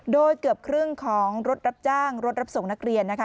โดยเกือบครึ่งของรถรับจ้างรถรับส่งนักเรียนนะคะ